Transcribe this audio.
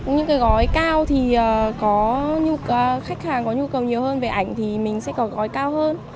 những cái gói cao thì có những khách hàng có nhu cầu nhiều hơn về ảnh thì mình sẽ có gói cao hơn